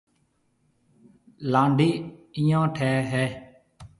لانڊي ايو ٺيَ ھيََََ